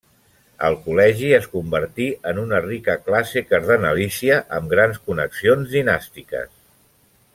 El Col·legi es convertí en una rica classe cardenalícia, amb grans connexions dinàstiques.